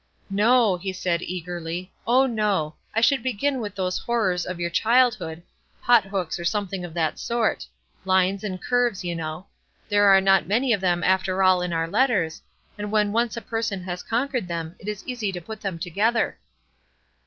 "No," he said, eagerly; "oh, no; I should begin with those horrors of your childhood, pothooks or something of that sort; lines and curves, you know. There are not many of them after all in our letters, and when once a person has conquered them it is easy to put them together."